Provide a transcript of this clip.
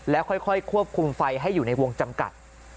แล้วค่อยควบคุมไฟให้อยู่ในวงจำกัด